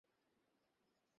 পেপারে মুড়িয়ে দিই?